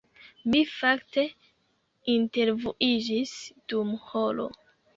Mi fakte intervuiĝis dum horo